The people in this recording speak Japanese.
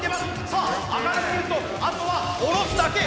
さあ上がりきるとあとは下ろすだけ。